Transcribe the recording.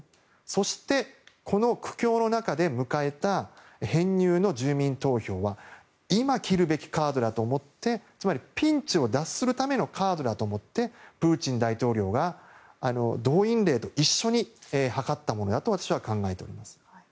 そして、この苦境の中で迎えた編入の住民投票は今切るべきカードだと思ってつまりピンチを脱するためのカードだと思ってプーチン大統領が動員令と一緒に図ったものだと私は考えております。